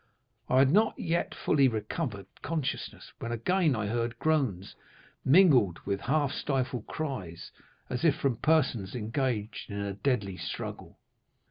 I had not yet fully recovered consciousness, when again I heard groans, mingled with half stifled cries, as if from persons engaged in a deadly struggle.